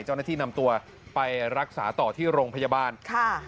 เจ้าหน้าที่นำตัวไปรักษาต่อที่โรงพยาบาลค่ะ